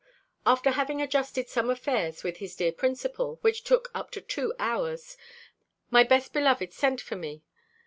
After having adjusted some affairs with his dear principal, which took up two hours, my best beloved sent for me.